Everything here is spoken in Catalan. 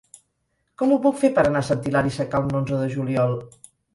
Com ho puc fer per anar a Sant Hilari Sacalm l'onze de juliol?